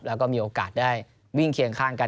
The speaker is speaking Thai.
แล้วก็มีโอกาสได้วิ่งเคียงข้างกัน